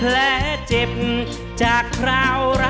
และเจ็บน้ำเมาหลายคราวก่อนหาเจ้าเจ้าเจอ